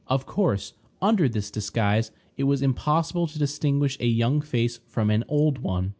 Of course, under this disguise, it was impossible to distinguish a young face from an old one.